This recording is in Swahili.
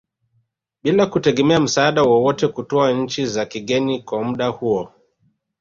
Bila kutegemea msaada wowote kutoka nchi za kigeni kwa muda huo